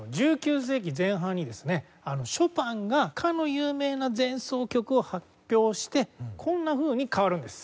１９世紀前半にですねショパンがかの有名な前奏曲を発表してこんなふうに変わるんです。